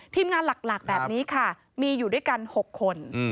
ทีมงานหลักแบบนี้ค่ะมีอยู่ด้วยกัน๖คน